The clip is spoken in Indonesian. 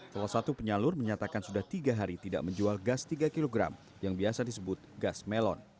salah satu penyalur menyatakan sudah tiga hari tidak menjual gas tiga kg yang biasa disebut gas melon